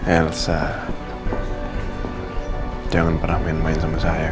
elsa jangan pernah main main sama saya